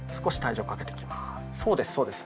そうですそうです。